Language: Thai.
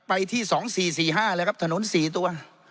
ไปที่สองสี่สี่ห้าเลยครับถนนสี่ตัว